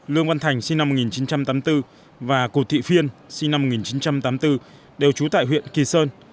lương văn thành sinh năm một nghìn chín trăm tám mươi bốn và cụt thị phiên sinh năm một nghìn chín trăm tám mươi bốn đều trú tại huyện kỳ sơn